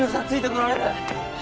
こられる！